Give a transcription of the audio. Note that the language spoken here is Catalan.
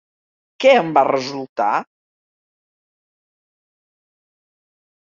Què en va resultar?